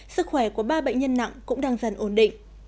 sức khỏe của ba bệnh nhân nặng cũng đang dần ổn định